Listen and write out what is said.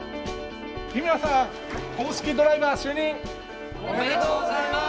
日村さん、公式ドライバー就任おめでとうございます！